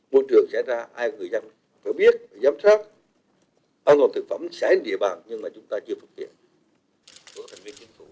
môi trường xảy ra ai cũng có biết giám sát an toàn thực phẩm xảy đến địa bàn nhưng mà chúng ta chưa phục tiện